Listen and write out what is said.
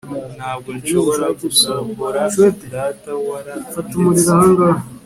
ntabwo nshobora gusohora. data, warandetse